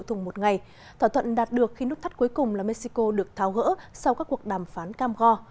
thỏa thuận đạt được khi nút thắt cuối cùng là mexico được tháo gỡ sau các cuộc đàm phán cam go